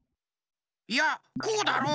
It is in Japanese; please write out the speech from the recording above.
いやこうだろ。